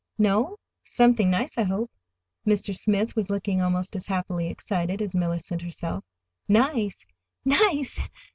"No? Something nice, I hope." Mr. Smith was looking almost as happily excited as Mellicent herself. "Nice—NICE!"